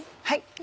はい。